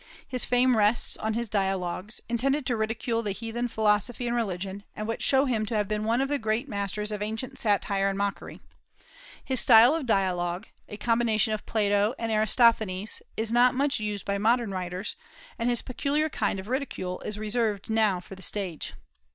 His fame rests on his "Dialogues," intended to ridicule the heathen philosophy and religion, and which show him to have been one of the great masters of ancient satire and mockery. His style of dialogue a combination of Plato and Aristophanes is not much used by modern writers, and his peculiar kind of ridicule is reserved now for the stage.